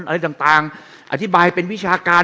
อะไรต่างอธิบายเป็นวิชาการ